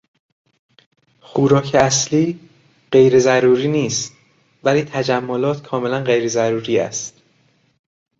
خوراک اصلی غیرضروری نیست ولی تجملات کاملا غیر ضروری است.